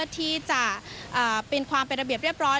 ที่จะเป็นความเป็นระเบียบเรียบร้อย